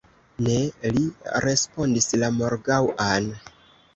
Ne, li respondis la morgaŭan.